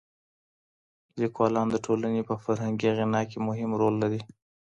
ليکوالان د ټولني په فرهنګي غنا کي مهم رول لري.